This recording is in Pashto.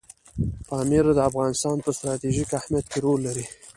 پامیر د افغانستان په ستراتیژیک اهمیت کې رول لري.